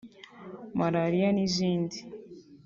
Malaria n’izindi